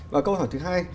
và câu hỏi thứ hai